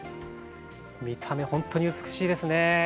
見た目ほんとに美しいですね。